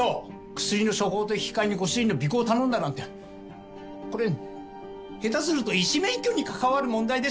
薬の処方と引き換えにご主人の尾行を頼んだなんてこれ下手すると医師免許に関わる問題ですよ？